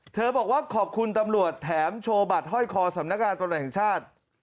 บอกว่าขอบคุณตำรวจแถมโชว์บัตรห้อยคอสำนักงานตำรวจแห่งชาติ